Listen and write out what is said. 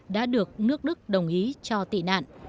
đã được nước đức đồng ý cho tị nạn